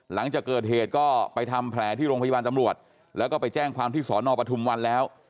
หลังจากเกิดเหตุก็ไปทำแผลที่โรงพยาบาลตำรวจแล้วก็ไปแจ้งความที่สอนอปทุมวันแล้ว